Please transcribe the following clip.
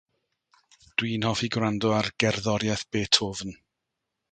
Dw i'n hoffi gwrando ar gerddoriaeth Beethoven